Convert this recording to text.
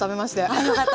あよかった。